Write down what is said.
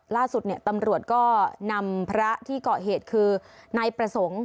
ล่าสุดเนี่ยตำรวจก็นำพระที่เกาะเหตุคือนายประสงค์